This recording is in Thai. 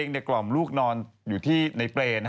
มีความลูกนอนอยู่ที่ในเปรน